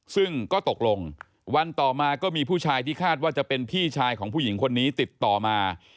ซึ่งก็ตกลงวันต่อมาก็มีผู้ชายที่คาดว่าจะเป็นพี่ชายของผู้หญิงคนนี้ติดต่อมา